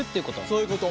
そういうこと。